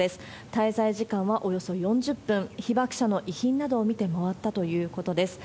滞在時間はおよそ４０分、被爆者の遺品などを見て回ったということです。